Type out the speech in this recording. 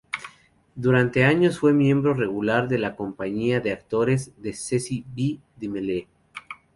Durante años fue miembro regular de la compañía de actores de Cecil B. DeMille.